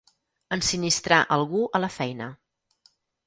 Ensinistrar algú a la feina.